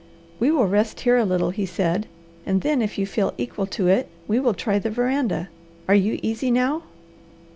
"We will rest here a little," he said, "and then, if you feel equal to it, we will try the veranda. Are you easy now?"